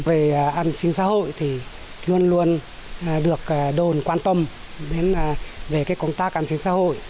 về an sinh xã hội thì luôn luôn được đồn quan tâm đến về công tác an sinh xã hội